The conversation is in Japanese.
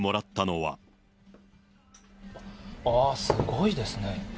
ああ、すごいですね。